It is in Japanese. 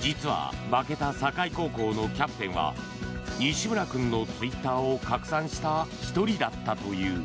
実は負けた境高校のキャプテンは西村君のツイッターを拡散した１人だったという。